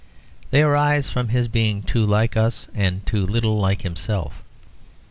They arise from his being too like us, and too little like himself.